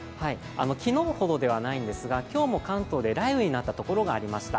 昨日ほどではないんですが今日も関東で雷雨になったところがありました。